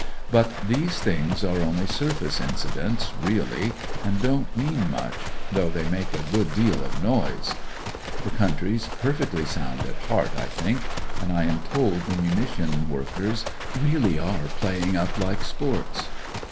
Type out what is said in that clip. But these things are only surface incidents, really, and don't mean much, though they make a good deal of noise. The country's perfectly sound at heart, I thmk, and I am told the munitions workers really are playing up like sports.